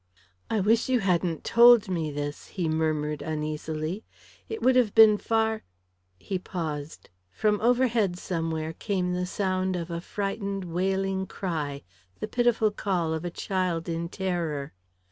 "I wish you hadn't told me this," he murmured, uneasily. "It would have been far " He paused. From overhead somewhere came the sound of a frightened, wailing cry, the pitiful call of a child in terror.